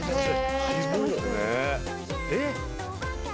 えっ！？